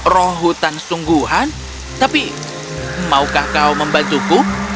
roh hutan sungguhan tapi maukah kau membantuku